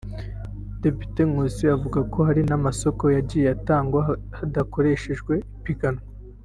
Depite Nkusi avuga ko hari n’amasoko yagiye atangwa hadakoreshejwe ipiganwa